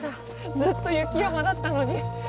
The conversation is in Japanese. ずっと雪山だったのに。